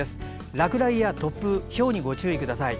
落雷や突風ひょうにご注意ください。